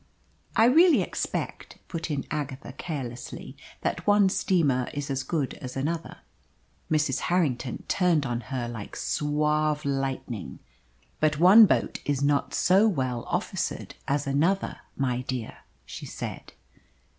"I really expect," put in Agatha carelessly, "that one steamer is as good as another." Mrs. Harrington turned on her like suave lightning. "But one boat is not so well officered as another, my dear!" she said.